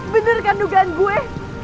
bener kan dugaan gue